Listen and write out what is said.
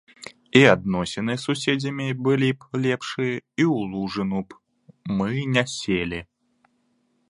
І адносіны з суседзямі былі б лепшыя, і ў лужыну б мы не селі.